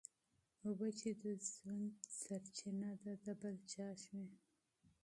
اوبه چي د ژوند سرچینه ده د بل چا شوې.